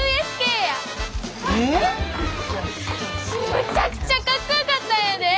むちゃくちゃかっこよかったんやで！